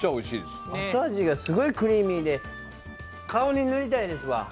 後味がすごいクリーミーで顔に塗りたいですわ。